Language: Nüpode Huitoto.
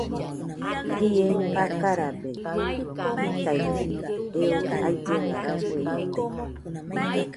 Bie fakarabe jitairede eo ailluena rafue ite.